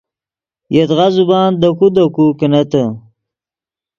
یدغا زبان دے کو دے کو کینتے